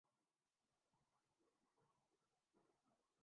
پھر ہم انہیں پرانی گاڑیوں کے طور پر دوسرے ممالک برآ